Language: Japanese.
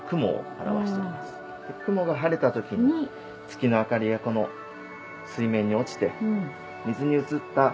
雲が晴れた時に月の明かりがこの水面に落ちて。